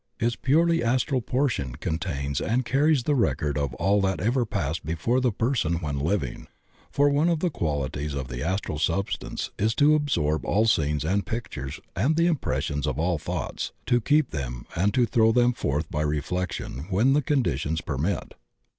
Its purely astral portion contains and carries the record of aU that ever passed before the person when living, for one of the qualities of the astral substance is to absorb all scenes and pictures and the impressions of all thoughts. 104 THE OCEAN OF THEOSOPHY to keep them, and to throw them forth by reflection when die conditions permit.